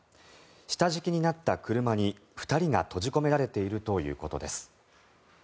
下敷きになった車に２人が閉じ込められているということです。